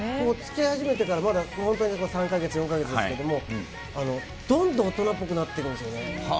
つきあい始めてから本当に３か月、４か月ですけど、どんどん大人っぽくなってるんですよね。